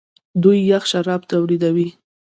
دوی یخ شراب تولیدوي.